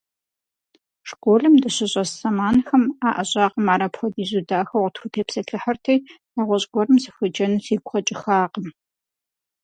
Школым дыщыщӀэс зэманхэм а ӀэщӀагъэм ар апхуэдизкӀэ дахэу къытхутепсэлъыхьырти, нэгъуэщӀ гуэрым сыхуеджэну сигу къэкӀыхакъым.